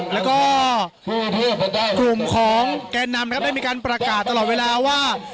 แล้วก็กลุ่มของแกนนำนะครับได้มีการประกาศตลอดเวลาว่า